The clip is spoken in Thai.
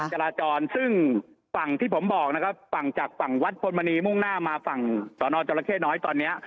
จราจรซึ่งฝั่งที่ผมบอกนะครับฝั่งจากฝั่งวัดพลมณีมุ่งหน้ามาฝั่งสนจรเข้น้อยตอนนี้